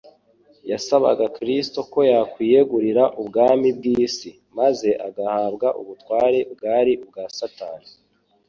yasabaga Kristo ko yakwiyegurira ubwami bw’isi, maze agahabwa ubutware bwari ubwa Satani